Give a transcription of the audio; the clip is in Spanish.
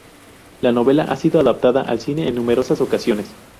La novela ha sido adaptada al cine en numerosas ocasiones.